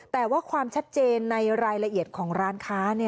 แต่ว่าความชัดเจนในรายละเอียดของร้านค้า